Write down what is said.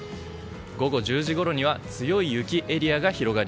午後１０時ごろには強い雪エリアが広がり